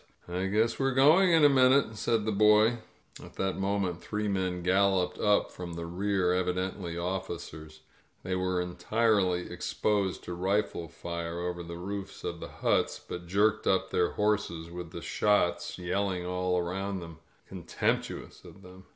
^ guess we're going in a minnte," said the boy. At that moment three men gaJloped up from the rear, evidently cheers. They were entirely exposed to rifle fire over the roofs of the huts, bat jerked up their horses with the shots yelling all aroand, contemptuous of them.